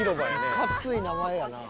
いかつい名前やな。